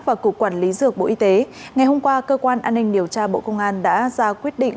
và cục quản lý dược bộ y tế ngày hôm qua cơ quan an ninh điều tra bộ công an đã ra quyết định